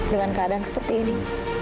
dengan keadaan seperti ini